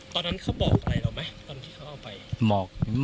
อ๋อตอนนั้นเขาบอกอะไรเหรอไหมตอนที่เขาเอาไป